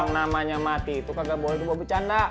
yang namanya mati itu kagak boleh dibawa bercanda